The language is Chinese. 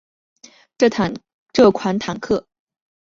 这款坦克的最大特色是采用了克里斯蒂悬吊。